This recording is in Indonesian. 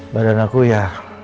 badan aku ya